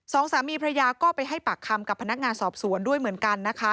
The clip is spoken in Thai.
สองสามีพระยาก็ไปให้ปากคำกับพนักงานสอบสวนด้วยเหมือนกันนะคะ